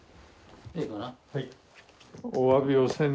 ええかな？